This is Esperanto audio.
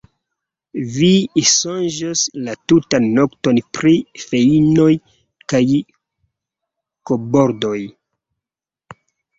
Vi sonĝos la tutan nokton pri feinoj kaj koboldoj.